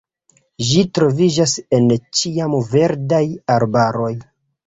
Ĝi troviĝas en ĉiamverdaj arbaroj.